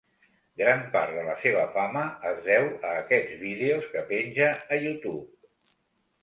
Gran part de la seva fama es deu a aquests vídeos que penja a YouTube.